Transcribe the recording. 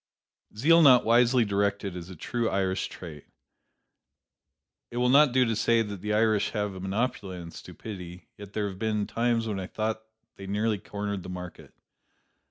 Zeal not wisely directed is a true Irish trait. It will not do to say that the Irish have a monopoly on stupidity, yet there have been times when I thought they nearly cornered the market.